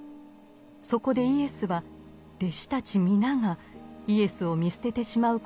そこでイエスは弟子たち皆がイエスを見捨ててしまうことを予告します。